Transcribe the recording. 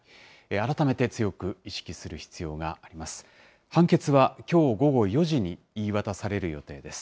改めて強く意識する必要があります。